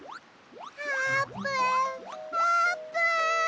あーぷんあーぷん！